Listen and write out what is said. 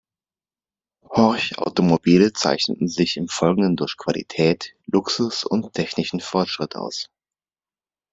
Horch-Automobile zeichneten sich in Folge durch Qualität, Luxus und technischen Fortschritt aus.